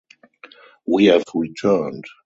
We have returned.